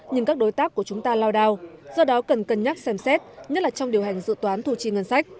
nhưng các đối tác của chúng ta lao đao do đó cần cân nhắc xem xét nhất là trong điều hành dự toán thu chi ngân sách